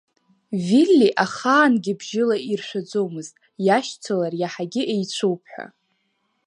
Вилли ахаангьы бжьыла иршәаӡомызт, иашьцылар иаҳагьы еицәоуп ҳәа.